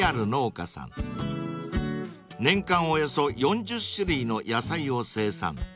［年間およそ４０種類の野菜を生産］